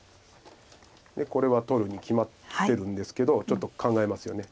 これは取るに決まってるんですけどちょっと考えますよね。